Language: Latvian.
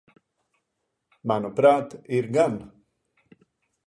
Manuprāt, ir gan.